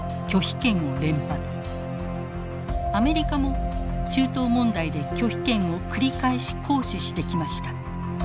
アメリカも中東問題で拒否権を繰り返し行使してきました。